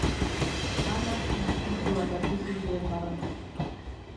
Anak bi zuritoak hartu zituen barratik.